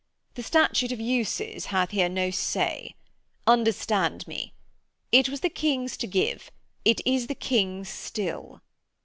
The Statute of Uses hath here no say. Understand me: It was the King's to give; it is the King's still.'